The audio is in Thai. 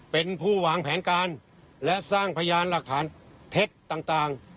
เป็นผู้วางแผนการและสร้างพยานหลักฐานเท็จต่าง